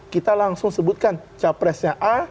kita langsung sebutkan capresnya a